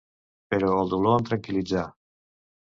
Però el dolor em tranquil·litzà